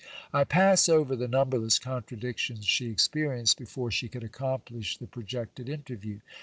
I pass over the numberless contradictions she experienced, before she could accomplish the projected interview.